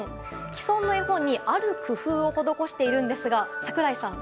既存の絵本にある工夫を施しているんですが櫻井さん